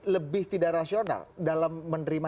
lebih tidak rasional dalam menerima